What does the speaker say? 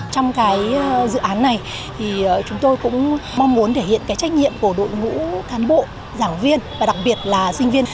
trong cái dự án này thì chúng tôi cũng mong muốn thể hiện cái trách nhiệm của đội ngũ cán bộ giảng viên và đặc biệt là sinh viên